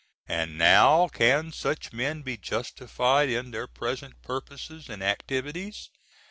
And now can such men be justified in their present purposes and activities?